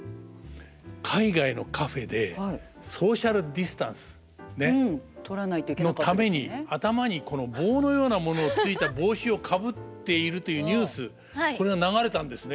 海外のカフェでソーシャルディスタンスのために頭にこの棒のようなものがついた帽子をかぶっているというニュースこれが流れたんですね。